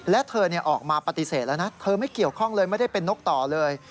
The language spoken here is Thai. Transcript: และเธอออกมาปฏิเสธแล้วนะเธอไม่เกี่ยวข้องเลยไม่ได้เป็นนกต่อเลย